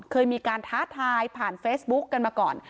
เคยมีการท้าทายผ่านเฟซบุ๊กกันมาก่อน